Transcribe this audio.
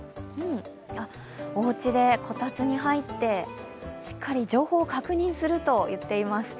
おうちでこたつに入ってしっかり情報を確認するといっています。